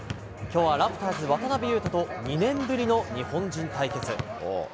今日はラプターズ、渡邊雄太と２年ぶりの日本人対決。